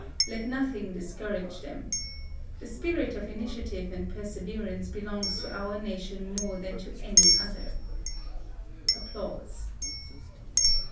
Let nothing discourage them. The spirit of initiative and perseverance belongs to our nation more than to any other.